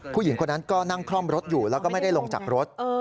ผู้หญิงคนนั้นก็นั่งคล่อมรถอยู่แล้วก็ไม่ได้ลงจากรถ